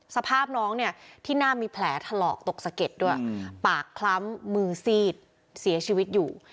สภาพน้องเนี่ยที่หน้ามีแผลถลอกตกสะเก็ดด้วยปากคล้ำมือซีดเสียชีวิตอยู่